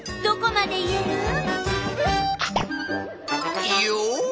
どこまでいえる？